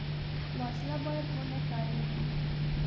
وسله باید ونهکارېږي